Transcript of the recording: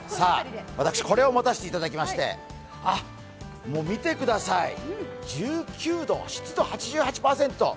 私、これを持たせていただきましてあ、見てください、１９度、湿度８８％。